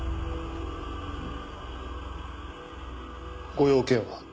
ご用件は？